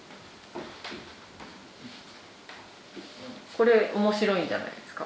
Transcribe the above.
これ面白いんじゃないですか？